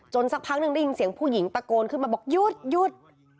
สักพักหนึ่งได้ยินเสียงผู้หญิงตะโกนขึ้นมาบอกหยุดหยุด